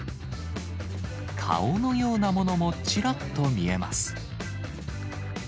顔のようなものもちらっと見えます。